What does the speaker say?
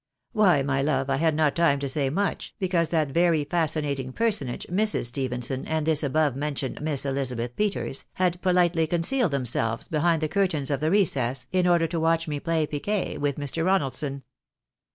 "" Why, my love, I had not time to say much, because that very fascinating personage, Mrs. Stephenson, and this above mentioned Miss EUzabeth Peters, had pohtely concealed themselves behind the curtains of the recess, in order to watch me play piquet with Mr. Konaldson.